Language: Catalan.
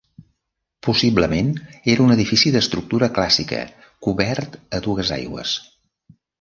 Possiblement era un edifici d'estructura clàssica, cobert a dues aigües.